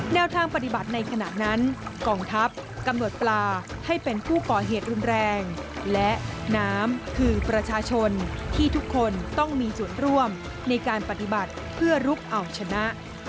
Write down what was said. แนวทางปฏิบัติในขณะนั้นกองทัพกำหนดปลาให้เป็นผู้ก่อเหตุรุนแรงและน้ำคือประชาชนที่ทุกคนต้องมีส่วนร่วมในการปฏิบัติเพื่อลุกเอาชนะ